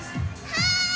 はい！